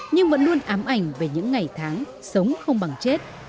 nhưng vẫn luôn ám ảnh về những ngày tháng sống không bằng chết